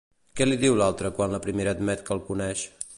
Què li diu l'altra quan la primera admet que el coneix?